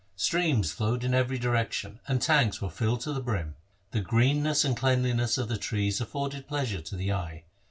Streams flowed in every direction, and tanks were filled to the brim. The greenness and the cleanliness of the trees afforded pleasure to the eye.